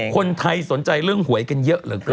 คนไทยสนใจเรื่องหวยกันเยอะเหรอ